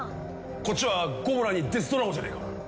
こっちはゴモラにデスドラゴじゃねえか！？